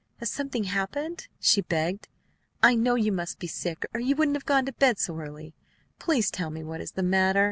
Has something happened?" she begged. "I know you must be sick, or you wouldn't have gone to bed so early. Please tell me what is the matter.